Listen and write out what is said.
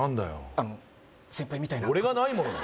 あの先輩みたいな俺がないものなの？